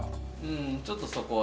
んー、ちょっとそこは。